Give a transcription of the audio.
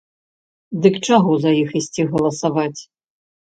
Дык чаго за іх ісці галасаваць?!